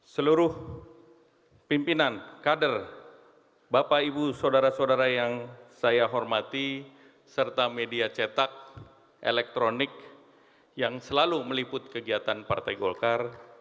seluruh pimpinan kader bapak ibu saudara saudara yang saya hormati serta media cetak elektronik yang selalu meliput kegiatan partai golkar